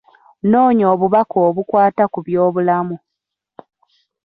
Noonya obubaka obukwata ku by'obulamu.